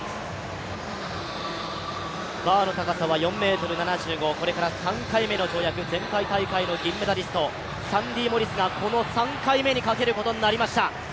バーの高さは４ｍ７５前回大会銅メダリスト、サンディ・モリスがこの３回目にかけることになりました。